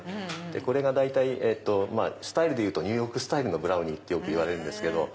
これがスタイルでいうとニューヨークスタイルのブラウニーっていわれるんです。